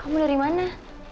kamu dari mana